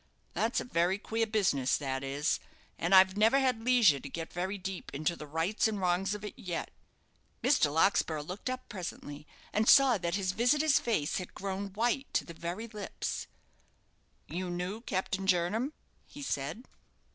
That's a very queer business, that is, and I've never had leisure to get very deep into the rights and wrongs of it yet." Mr. Larkspur looked up presently, and saw that his visitor's face had grown white to the very lips. "You knew Captain Jernam?" he said.